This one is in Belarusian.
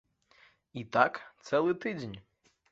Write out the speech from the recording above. І так цэлы тыдзень.